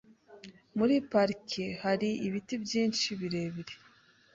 Muri parike hari ibiti byinshi birebire.